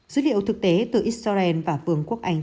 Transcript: dữ liệu thực tế từ israel và vương quốc anh